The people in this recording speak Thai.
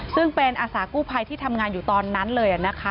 ซึ่งเป็นอาสากู้ภัยที่ทำงานอยู่ตอนนั้นเลยนะคะ